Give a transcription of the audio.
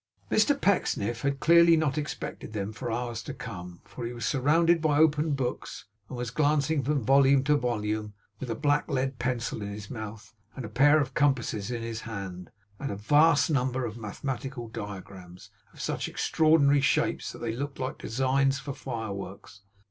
Mr Pecksniff had clearly not expected them for hours to come; for he was surrounded by open books, and was glancing from volume to volume, with a black lead pencil in his mouth, and a pair of compasses in his hand, at a vast number of mathematical diagrams, of such extraordinary shapes that they looked like designs for fireworks.